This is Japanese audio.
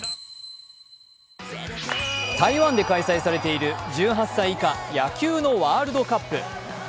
台湾で開催されている１８歳以下野球のワールドカップ。